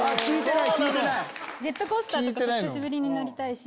ジェットコースターとか久しぶりに乗りたいし。